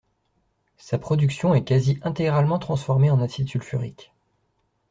Sa production est quasi intégralement transformée en acide sulfurique.